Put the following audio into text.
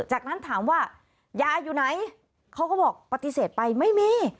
จากนั้นถามว่ายาอยู่ไหนเขาก็บอกปฏิเสธไปไม่มี